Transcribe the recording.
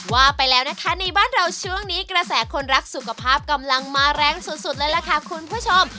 ว่าไปแล้วนะคะในบ้านเราช่วงนี้กระแสคนรักสุขภาพกำลังมาแรงสุดเลยล่ะค่ะคุณผู้ชม